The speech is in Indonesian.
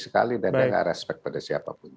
sekali dan tidak ada respect pada siapapun